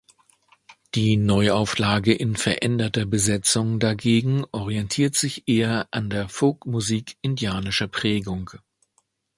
Die Neuauflage in veränderter Besetzung dagegen orientiert sich eher an der Folkmusik indianischer Prägung.